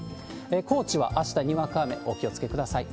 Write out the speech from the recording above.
高知はあした、にわか雨お気をつけください。